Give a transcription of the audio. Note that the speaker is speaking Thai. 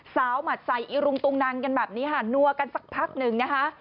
สาวมาใส่อิรุงตุงนังกันแบบนี้นัวกันสักพักหนึ่ง